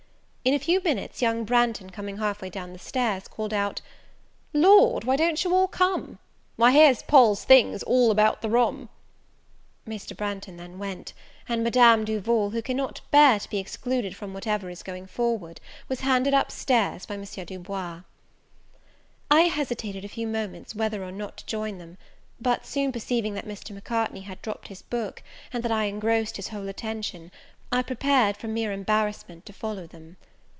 In a few minutes young Branghton, coming half way down stairs, called out, "Lord, why don't you all come? why, here's Poll's things all about the room!" Mr. Branghton then went; and Madame Duval, who cannot bear to be excluded from whatever is going forward, was handed up stairs by M. Du Bois. I hesitated a few moments whether or not to join them; but, soon perceiving that Mr. Macartney had dropped his book, and that I engrossed his whole attention, I prepared, from mere embarrassment, to follow them.